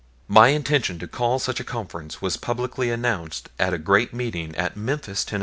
My intention to call such a conference was publicly announced at a great meeting at Memphis, Tenn.